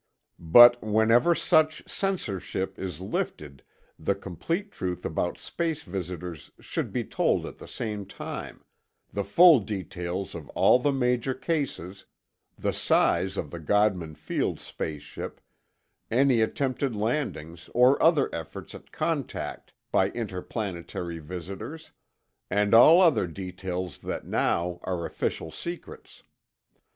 But whenever such censorship is lifted, the complete truth about space visitors should be told at the same time: the full details of all the major cases, the size of the Godman Field space ship, any attempted landings or other efforts at contact by interplanetary visitors, and all other details that now are official secrets.